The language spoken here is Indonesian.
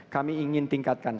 kami ingin tingkatkan